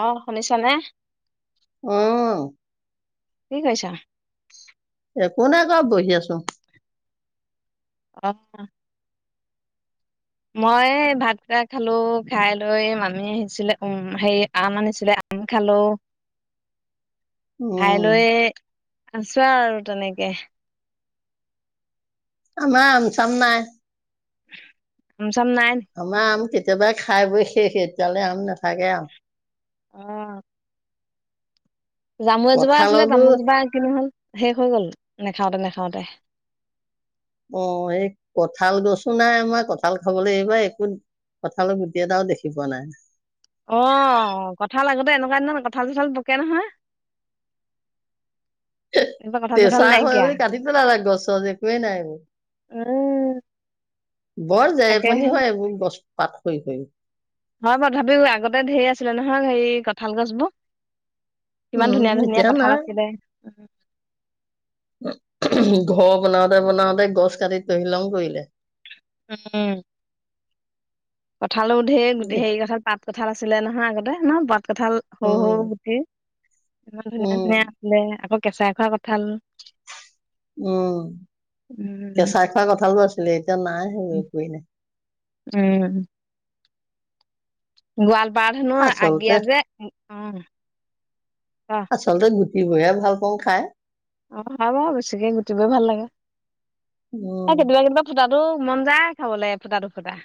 অঁ শুনিছো চানে অঁ কি কৈছা পুৰণা ঘৰত বহি আছো অঁ মই ভাতকেইটা খালো খাই লৈ মামি আহিছিলে, উম হেৰি আম আনিছিলে আম খালো। খাই উম, লৈ আছো আৰু তেনেকে আমাৰ হিচাপ নাই উম আমাৰ আমতে [unintelligible] কেতিয়াবা খাই বৈ শেষ এতিয়ালে আম নাথাকে আৰু অঁ জামু এজোপা আছিলে কঁঠালতো জামুজোপা কিনি হল শেষ হৈ গল নেখাওতে নেখাওঁতে [unintelligible] অঁ এই কঠাঁল গছো নাই আমাৰ কঠাঁল খাবলৈ এইবাৰ একো কঁঠালৰ গুটি এটাও দেখি পোৱা নাই। আহ কঁঠাল আগতে এনেকুৱা এ কঠাল চোঁঠাল পকে নহয় এইবাৰ কঁঠাল চঠাল কেঁচা হয় নাইকিয়া বুলি কাটি পেলাল গছ একোৱেই নাই এইবোৰ উম বৰ তাকে জেৰেপনি হয় এইবোৰ গছ পাত হৈ হৈ হয় ব তথাপিও আগতে ধেৰ আছিলে নহয় হে কঁঠাল গছবোৰ। কিমান ধুনীয়া উম, ধুনীয়া এতিয়া কঠাঁল নাই আছিলে ঘৰ বনাওঁতে বনাওঁতে গছ কাটি তহিলং কৰিলে উম উঠালো ধেৰ গোটেই হেৰি কথা তাত কঁঠাল আছিলে নহয় আগতে ন, কঠাল সৰু উম, সৰু গুটি ইমান ধুনীয়া উম, ধুনীয়া আছিলে। আকৌ কেঁচাই খোৱা কঁঠাল। উম, উম কেঁচাই খোৱা কঁঠালো আছে লে এতিয়া নাই সেইবোৰ একোৱেই নাই উম। গোৱাল, বৰা ধানৰ আচলতে আগিয়া যে, উম অ আচলতে গো সিবোৰ হে ভাল পাওঁ খাই। অ আও বেছিকে গুটিবোৰ ভাল লাগে। উম কেতিয়াবা কেতিয়াবা ফুটা, ত মন যায় খাবলে এফুটা দুফুটা।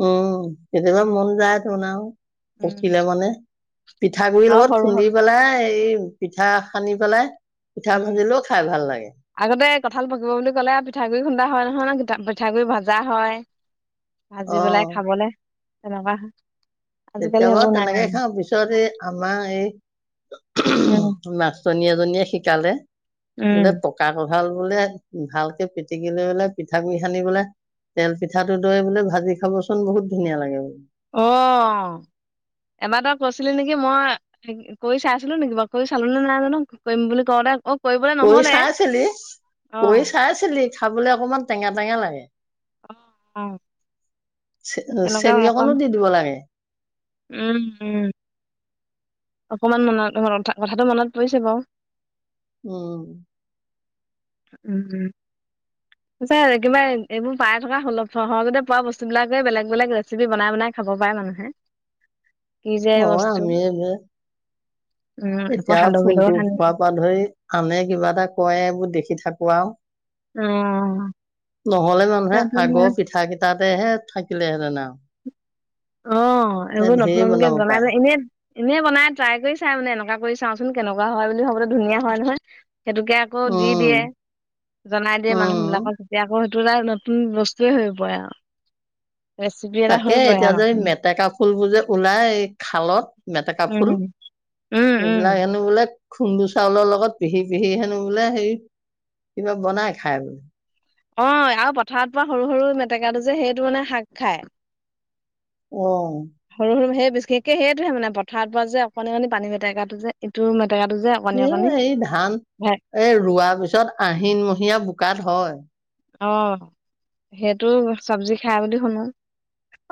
উম কেতিয়াবা মন যায়তো না উম পকিলে মেনে। পিঠা গুৰিৰ অ লগত সৰু খুন্দি সৰু পেলাই এই পিঠা, সানি পেলাই, পিঠা উম। ভাজিলেও খাই ভাল লাগে আগতে কঁঠাল পকিব বুলি ক'লে পিঠাগুৰি খুন্দা হয় নহয় ন পিঠাগুৰি ভাজা হয়। ভাজি অ পেলাই খাবলে। সেনকা কেতিয়াবা তেনেকে খাওঁ, পিছত এই আমাৰ উম এই মাষ্টনী এজনীয়ে শিকালে। বোলে উম পকা ক, ভাল বোলে, ভালকে পিটিকি লৈ বোলে পিঠাগুৰি সানি বোলে, তেল পিঠাটো দৈ বোলে ভাজি খাবচোন বহুত ধুনীয়া লাগে বোলে। অ। এবাৰ তই কৈছিলি নেকি, মই কৰি চাইছিলো নেকি বাৰু কৰি চালো নে নাই জানো কৰিম বুলি কওঁতে অ। কৰিবলৈ কৰি নহলে চাইছিলি অ কৰি চাইছিলি খাবলে অকমান টেঙা টেঙা লাগে। অ। তেনেকুৱা চেনী অকনো অকণ দি দিব লাগে। উম উম। অকমান মানত কথাটো মনত পৰিছে বাৰু। উম। উম পিছে কিবা এইবোৰ পাই থকা সুলভ সহজতে পোৱা বস্তুবলাকেই বেলেগ বেলেগ ৰেচিপি বনাই বনাই খাব পাৰে মানুহে। কি যে অ বস্তু আমি যে। উম আকৌ এতিয়া সান্দহগুৰি লগত ফোনটো সানি খাই পোৱাৰ পৰা ধৰি আনে কিবা এটা কয় এইবোৰ দেখি থাক কোৱা। অহ। নহলে জানুহে আগৰ পিঠা কেইটাত। দেহে থাকিলে আও। অ এইবোৰ নতুন নতুনকে বনাব পাৰে বানাই এনে। এনেই বনাই ট্ৰাই কৰি চাই মানে এনেকুৱা কৰি চাওঁচোন কেনেকুৱা হয় বুলি ভাবোতেো ধুনীয়া হয় নহয়। সেইেতুোকে আকৌ দি উম দিয়ে জনাই দিয়ে মানুহ উম বিলাকৰ যেতিয়া আকৌ। তোলাৰ নতুন বস্তুৱে হৈ পৰে আও। ৰেচিপি এটা তাকে হৈ বয় এতিয়া যে আও। মেটেকা ফুল বোৰ যে ওলাই খালত মেটেকা ফুল উম, উম, উম। এইবিলাক হেনো বোলে। খুন্দু চাউলৰ লগত পিহি পিহি হেনো বোলে হে কিবা বনাই খাই বোলে। অ আৰু পথাৰত পৰা সৰু সৰু মেটেকাটো যে সেইটো মানে শাক খায়। অহ। বিশষকে সেইটোহে মানে পথাৰৰ পৰা যেকণ অকণ পানী বেটেকাটো যে এইটো মানে। এ এই ধান ভে- এ ৰোৱাৰ পিছত আহিন মহীয়া বোকাত হয়। অ সেইটো চব্জি খাই বুলি শুনো।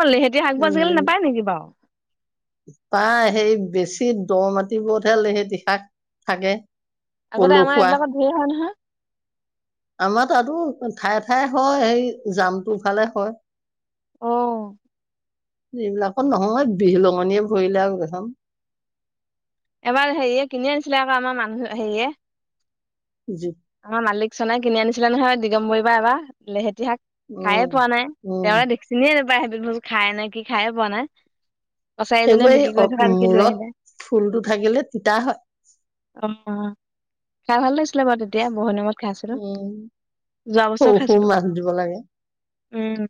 অ লেহেতিয়া শাকব আজিকালি নাপায় নেকি বাৰু। পাই সেই বেছি দ মাটিবোৰত হেলেতি সেই শাক থাকে। আগতে আমাৰ পলসুৱা এইবিলাকত ধেৰ হয় নহয়। আমাৰ তাতো ঠায়ে ঠায়ে হয় সেই জামটো ফালে হয়। অহ। এইবিলাকো নহয় বিহ লগঙনিয়ে পৰিৰিলে আৰু এখনখন। এবাৰ হেৰিয়ে কিনি আনিছিলে আকৌ আমাৰ মানুহ হেৰিয়ে। জো। অ মালিক চনাই কিনি আনিছিলে নহয় দিগম্বৰিবা এবাৰে লেহেতি। ইতিহাস খাইে উম, পোৱা নাই উম, তেওঁ দেখিচিনিয়ে নেপায়। ভ খাই নে কি খায়ে বনাই। কছাৰী এ জনে সেইবোৰ এই বিক্ৰী কৰি অ- থকা দেখি লৈ মূৰত আহিলে ফুলটো থাকিলে তিতা হয়। অ খাই ভাল লাগিছো। কেলে বাও তিতা হয়। এতিয়া বহুত দিন মূৰত। উম যোৱা বছৰ সৰু সৰু খাইছিলো মাছ দিব লাগে। উম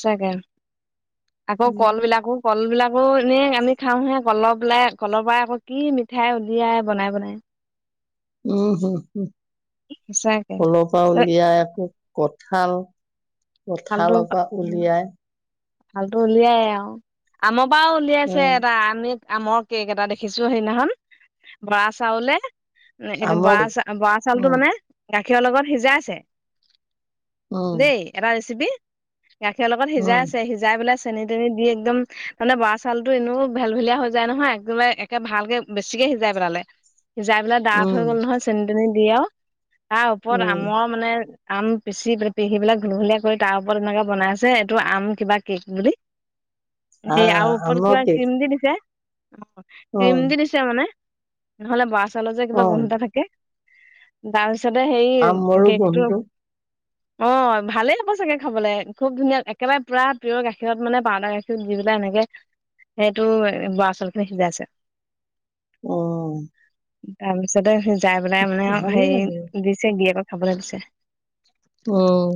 চাগা। আকৌ উম, কল বিলাকো কল বিলাকো এনে আমি খাওঁহে কলৰ পেলাই কলৰ পৰা আকৌ কি মিঠাই উলিয়াই বনাই বনাই উম হুম হম সঁচাকে কলৰ পৰা উলিয়াই একো কত হাল। ফালতু কঠালৰ পৰা উম উলিয়াই। ভালতো উলিয়াই আৰু আম। পাও উলিয়াইছে উম এটা আমিত আম। কেক এটা দেখিছো সেইদিনাখন বৰা চাউলে। ব আমক চ বৱা চাউলটো উম মানে। গাখীৰৰ লগত সিজাই আছে। উম দেই এটা ৰেচিপি। গাখীৰৰ লগত উম সিজাইছে। সিজাই পেলাই চেনি তেনি দি একদম মানে বৰা চাউলতো এনে ভেল ভেলিয়া হৈ যায় নহয় একদম একে ভালকে বেছিকে সিজাই পেলালে। সিজাই পেলাই ডাঠ হৈ উম গল নহয় চেনি তেনি। দি আও। তাৰ ওপৰত উম আমৰ মানে। আম পিচি পিহি পেলাই ঘুলঘুলীয়া কৰি তাৰ ওপৰত এনেকে বনাইছে এইটো আম। কিবা কেক বুলি। সেই আও আহ উপৰত কিবা আমকে কিম দি দিছে। অ ক্ৰীম উম দি দিছে মানে। নহলে বৰা চাউল। চাউল যে কিবা উম গোন্ধ এটা থাকে। দাল। সতে সেই আমৰো কেকটো। গোন্ধটো অ ভালেই হব চাগে খাবলে খুব ধুনীয়া একেবাৰে। পুৰা পিয়ৰ গাখীৰত মানে পাউদাৰ গাখীৰ দি পেলাই এনেকে সেইটো বৰা চাউল খিনি সিজাইছে। অহ। তাৰপিছতে। সিজাই পেলাই মানে ভালেই হেৰি লাগে দিছে গিৰীয়েকক। খাবলৈ দিছে। উম।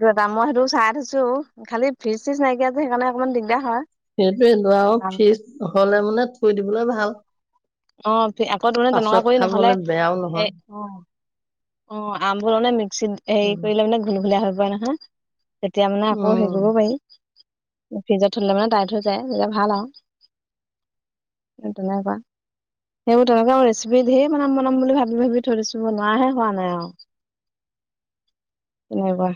সেইটো এটা মই সেইটো চাই থৈছো। খালি ফ্ৰীজ চিজ নাইকিয়া যে সেইকাৰণে অকণমান দিগদাৰ হয়্ সেইটোয়ে মই ফিজ হলে মানে থৈ দিবলৈও ভাল। অ। আকৌ মানে তেনেকুৱা পাছত কৰি নহলে খাবলৈ বেয়াও নহয় অ অ আমবোৰ মানে মিক্সিত হেৰি উম কৰিলে মানে ঘুলঘূলীয়া হৈ গ। বেয়া নহয়। তেতিয়া মানে আকৌ উম সেইবোৰো পাৰিম। ফ্ৰিজত থলে মানে টাইট হৈ যায় সেয়া ভাল আৰু। তেনেকুৱা [unintelligible] সেইবোৰ তেনেকুৱা মোৰ ৰেচিপি ঢেৰ বনাম বনাম বুলি ভাবি ভাবি থৈ দিছো বনোৱাহে হোৱা নাই আৰু। তেনেকুৱা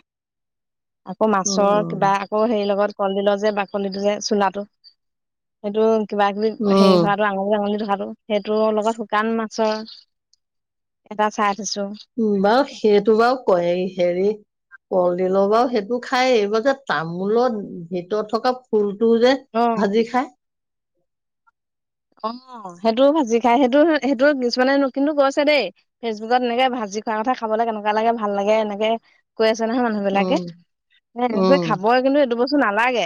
আকৌ মাছৰ কিবা উম আকৌ সেই লগত। কলডিল ল যে বাকলিটো যে চোলাটো সেইটো কিবা কিবি হেৰি উম হাতটো আঙুলি আঙুলি ধ [unintelligible] সেইটো লগত শুকান মাছৰ এটা চাই থৈছো উ বাৰু সেইটো বাৰু ক হেৰি কল দিল বাৰু। সেইটো খাই এইবাৰ যে তামোলৰ ভিতৰত থকা ফুল। তোৰ যে অ ভাজি খাই। [inaudible] অ সেইটো ভাজি খাই সেইটো সেইটো কিছুমানে কিন্তু গৈছে দেই ফেচবুকত এনেকে ভাজি খোৱাৰ কথা খাবলৈ কেনেকুৱা লাগে ভাল লাগে এনেকে। কৈ আছে নহয় মানুহ বিলাকে উম এ এনেকৈ উম, খাবই কিন্তু এইটো বস্ত নালাগে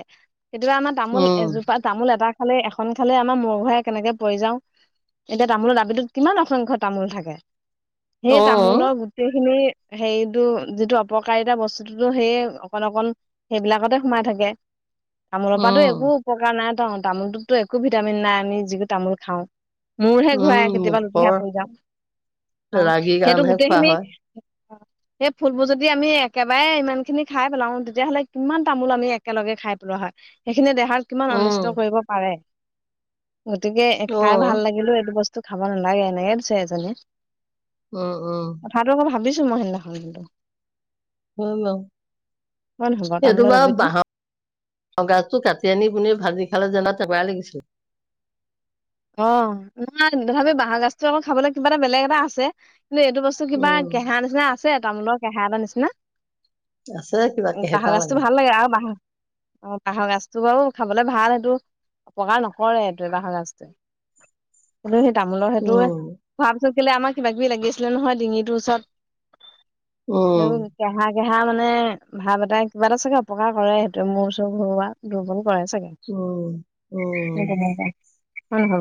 সেইয়া আমাৰ তামোল উম, এজোপা তামোল এটা। খালে এখন খালে আমাৰ মূৰা ঘূৰাই। [unintelligible] কেনেকে পৰি যাও এতিয়া তামোলৰ দাবীটোত কিমান অসংখ্য্ তামোল থাকে। সেই তামোলৰ অ', গোটেইখিনি। সেইটো যিটো অপকাৰিতা বস্তুটো সেইয়ে অকন-অকন সেইবিলাকতে সোমাই থাকে। তামোলৰ পৰাটো উম, একো উপকাৰ নাই। তামোলটোতো একো ভিটামিন নাই আমি যিটো তামোল খাওঁ। মোৰহে ঘূৰাই উম, কেতিয়াবা লুটিখাই মুখৰ পৰি যাও অ লাগি সেইটো কাৰণেহে খোৱা গোটেইখিনি। হয়। সেই ফুলবোৰ যদি আমি একেবাৰে ইমান খিনি খাই পেলাও তেতিয়াাহলে কিমান তামোল আমি একেলগে খাই পেলোৱা হয় এইখিনি দেহাত কিমান উম, অনিষ্ট কৰিব পাৰে। গতিকে খাই ভাল অ', লাগিলো এইটো বস্তু। খাব নালাগে এনেকে দিছে এজনীয়ে। উ উম। কথাটো আকৌ ভাবিছো মই নহ [unintelligible] বাৰ হয় নহয় সেইটো তামোলৰ বাৰু দাবিটো বাহৰ ব গাজটো কাটি আনি পুনে ভাজি [unintelligible] খাল যে [unintelligible] লাগিছিল [unintelligible] অঁ ন তথাপিও বাঁহৰ গাজটো আকৌ খাবলৈ কিবা এটা বেলেগ এটা আছে। ন এইটো বস্তু কিবা উম, কেহা নিচিনা আছে। ছে তামোলৰ কেঁহা এাৰ নিচিনা। আছে কিবা কেহেপা বাঁহৰ গছতটো ভাল লাগে আৰু বাঁহ অঁ বাঁহৰ গছটো বাৰু খাবলে ভাল এইটো অপকাৰ নকৰে এইটোৱে বাঁহৰ গছটোৱে উম তামোলৰ সেইটোয়ে উম, খোৱাৰ পিছত যদি আমাৰ কিবা কিবি লাগি আছিলে নহয় ডিঙিটোৰ উম, ওচৰত হয় হা মানে ভাৱ এটা কিবা এটা চাগে অপকাৰ কৰে সেইটো মোৰ ওচৰতৰ ঘৰুৱা দুৰ্বল হয় চাগে উম, উম, অঁ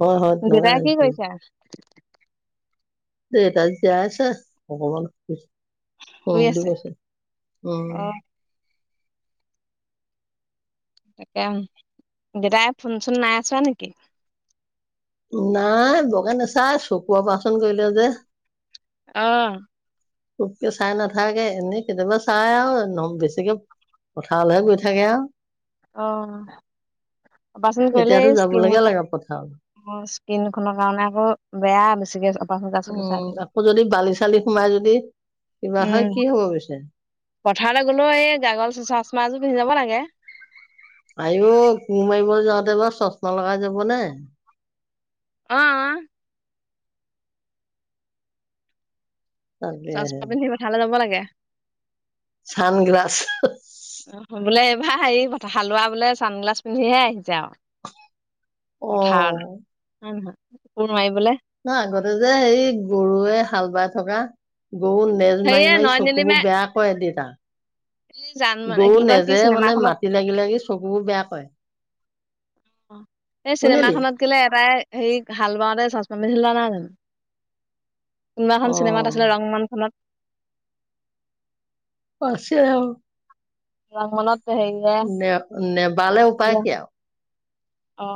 হয়, হয়, অঃ তেনেকুৱা দেওঁতা কি লাগিছিল। কৰিছে? এটা য আছা অগমান অঁ শুই বুলি আছে কৈছে উম অ তাকে দেদাই ফোন চোন নাই ছোৱা নেকি? নাই বৰকৈ নাচাই, চকুৰ অপাৰেচন কৰিলে যে। অঁ চাই নাথাকে এনেই কেতিয়াবা চাই আৰু ন বেছিকে পথাৰলৈহে গৈ থাকে আৰু অঁ অপাৰেচন কৰিলে এতিয়াতো এই স যাবলৈকে লাগে পথাৰলৈ স্কিনখনৰ কাৰণে আকৌ বেয়া বেছিকে উম থ আকৌ যদি বালি চালি সোমাই যদি কিবা হয় কি উম হব পিছে পথাৰলৈ গলেও এই গাগল চচমা এযোৰ পিন্ধি যাব লাগে। তে আঁইঅ কু মাৰিব যাওঁতেবাৰ চশমা লগাই যাব নে অঅঁ তাকেহে চচমা পিন্ধি পথাৰলৈ যাব লাগে উ চানগ্লাছ অ বোলে হেৰি হালোৱা বোলে চানগিলা পিন্ধিহে আহি যাওঁ অ পথাৰলৈ হয়ে নহয় কুৰ মাৰিবলে নহ আগতে যে হে গৰুৱে হাল বাই থকা গৰু নেজ সেয়ে মাৰি, মাৰি নয়নিলিমাই চকুবোৰ বেয়া কয় দেতা এই জান মোকৰ কি চিনেমা মানে খত মাটি লাগি লাগি চকুবোৰ বেয়া কৰে এই চিনেমা শুনিলি খত কিলে এটাই হেৰি হাল বাওঁতে চচ নাই জানো অ কিবাখন চিনেমাত আছিলে ৰং ম খনত পছে ৰহনত ন নে বালে উপায় কিয় অ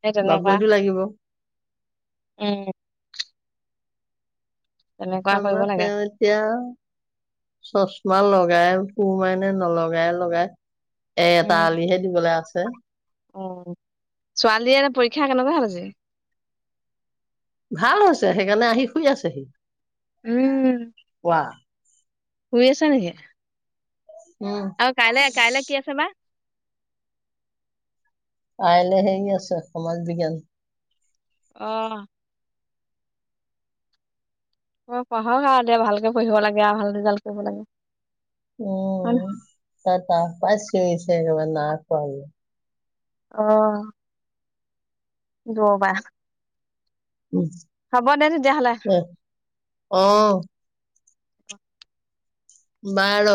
সেই তেনেকুৱা বাবৈটো লাগিব। [unintelligible] উম তেনেকুৱা কৰিব আমাৰ লাগে তেওঁ এতিয়া চচমা লগ লগাই সু মানে নলগাই লগাই এটা আলিহে দিবলৈ আছে। ছ [unintelligible] অ ছোৱালীয়ে পৰীক্ষা কেনেকুৱা হল আজি ভাল হৈছে সেইকাৰণে আহি শুই আছেহি। উম কোৱা শুই আছা নেকি? [inaudible] অ কাইলৈ কাইলে কি আছে বা কাইলে হেৰি আছে সমাজ বিজ্ঞান। আহ মই পঢ় হ এয়া ভালকে পঢ়িব লাগে আৰু ভাল ৰিজাল্ট কৰিব লাগে। হয় নহয় উম তা তা তাত চিঞৰি চে একে নাই খোৱা বুলি আহ। দুৰপা উ তেতিয়াহ'লে অ বাৰ